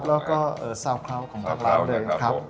และก็สาวข่าวของปักลาครับ